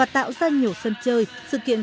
trong các sự kiện